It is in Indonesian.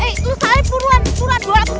eh lo salip puruan dua ratus ribu nih